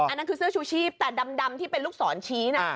อันนั้นคือเสื้อชูชีพแต่ดำที่เป็นลูกศรชี้นะ